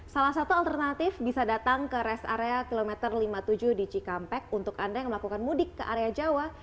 salah satu alternatif bisa datang ke rest area kilometer lima puluh tujuh di cikampek untuk anda yang melakukan mudik ke area jawa